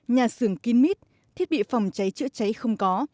nhà xưởng kim mít thiết bị phòng cháy chữa cháy không có